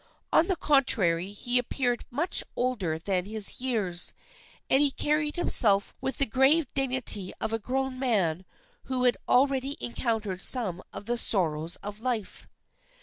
On the contrary he appeared much older than his years, and he carried himself with the grave dignity of a grown man who had al ready encountered some of the sorrows of life.